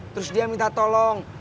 terus dia minta tolong